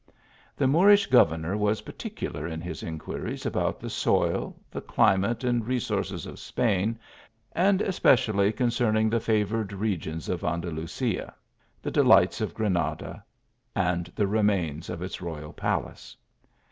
The Moorish governor was THE COURT OF LIONS. 9? particular in his inquiries about the soil, the climate and resources of Spain, and especially concerning the favoured regions of Andalusia, the delights of Granada and the remains of its royal palace.